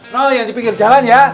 nol yang dipinggir jalan ya